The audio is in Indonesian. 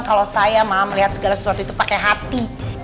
kalau saya mau melihat segala sesuatu itu pakai hati